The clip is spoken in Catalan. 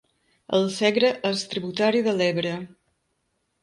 El Segre és tributari de l'Ebre.